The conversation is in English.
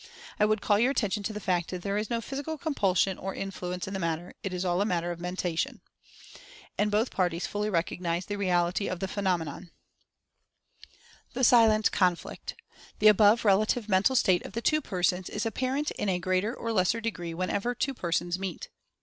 I would call your attention to the fact that there is no physical compulsion, or influence, in the matter — it is all a matter of Mentation ! And both parties fully recognize the reality of the phenomenon. 54 Mental Fascination THE SILENT CONFLICT. The above relative mental state of the two persons is apparent in a greater or lesser degree whenever two persons meet.